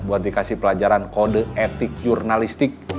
buat dikasih pelajaran kode etik jurnalistik